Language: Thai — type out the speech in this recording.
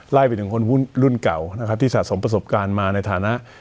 ไล่ไปถึงคนรุ่นเก่าที่สะสมประสบการณ์มาในฐานะ